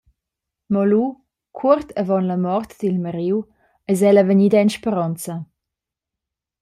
Mo lu, cuort avon la mort dil mariu, eis ella vegnida en speronza.